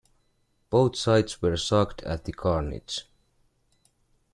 Both sides were shocked at the carnage.